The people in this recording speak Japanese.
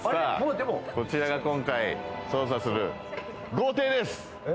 こちらが今回捜査する豪邸です。